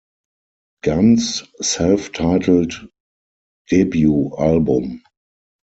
Guns' self-titled debut album.